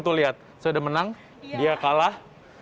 tuh lihat sudah menang dia kalah